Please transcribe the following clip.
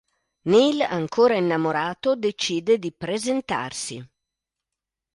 Neal, ancora innamorato, decide di presentarsi.